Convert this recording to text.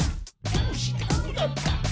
どうしてこうなった？」